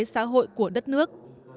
xã hội của đất nước